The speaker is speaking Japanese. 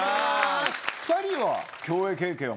２人は。